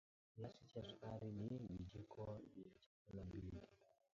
kiasi cha sukari ni vijiko vya chakula mbili